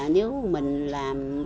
nếu mình làm